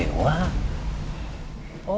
aku juga malas banget om